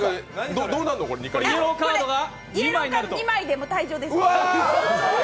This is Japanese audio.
イエローカード２枚で退場です。